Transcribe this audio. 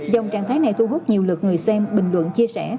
dòng trạng thái này thu hút nhiều lượt người xem bình luận chia sẻ